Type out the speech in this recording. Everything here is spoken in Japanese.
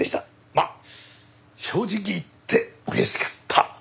まあ正直言って嬉しかった。